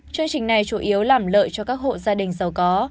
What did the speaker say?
chương trình này chủ yếu làm lợi cho các hộ gia đình giàu có